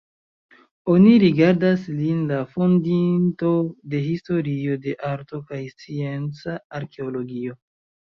Oni rigardas lin la fondinto de historio de arto kaj scienca arkeologio.